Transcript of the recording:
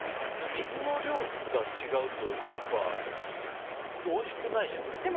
水の量が違うと、やっぱりおいしくないじゃないですか。